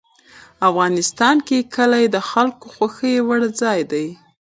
افغانستان کې کلي د خلکو خوښې وړ ځای دی.